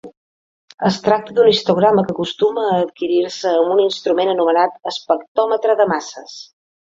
Es tracta d'un histograma que acostuma a adquirir-se amb un instrument anomenat espectròmetre de masses.